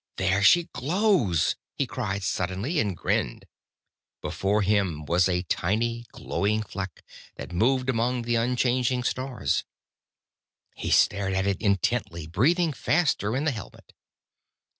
"There she glows!" he cried suddenly, and grinned. Before him was a tiny, glowing fleck, that moved among the unchanging stars. He stared at it intensely, breathing faster in the helmet.